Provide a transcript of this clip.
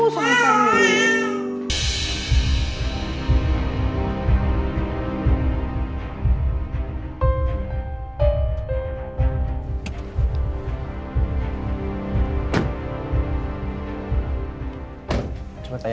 baik pak kami pulang ya